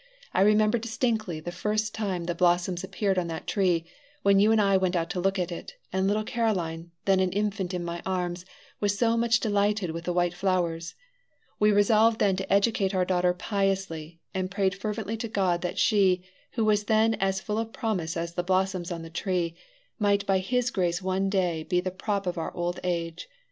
"I remember distinctly the first time the blossoms appeared on that tree, when you and I went out to look at it, and little Caroline, then an infant in my arms, was so much delighted with the white flowers. We resolved then to educate our daughter piously, and prayed fervently to God that she, who was then as full of promise as the blossoms on the tree, might by his grace one day be the prop of our old age.